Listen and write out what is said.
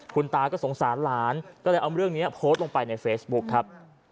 คุณตาก็สงสารหลานก็เลยเอาเรื่องนี้โพสต์ลงไปในเฟซบุ๊คครับ